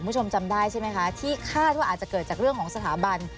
คุณผู้ชมจำได้ใช่ไหมคะที่คาดว่าอาจจะเกิดจากเรื่องของสถาบัน